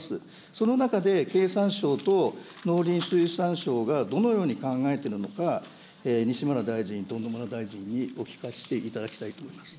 その中で、経産省と農林水産省がどのように考えているのか、西村大臣と野村大臣にお聞かせいただきたいと思います。